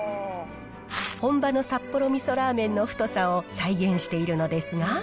本場の札幌みそラーメンの太さを再現しているのですが。